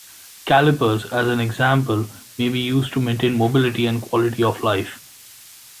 Calipers, as an example, may be used to maintain mobility and quality of life.